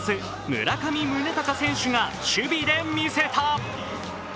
村上宗隆選手が、守備でみせた！